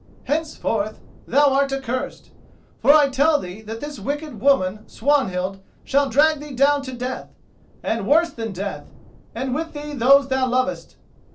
Henceforth thou art accursed. For I tell thee that this wicked woman Swanhild shall drag thee down to death, and worse than death, and with thee those thou lovest.